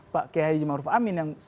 pak keha yudhimaruf amin yang